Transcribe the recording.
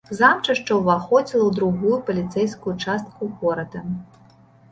Замчышча ўваходзіла ў другую паліцэйскую частку горада.